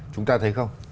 chúng ta thấy không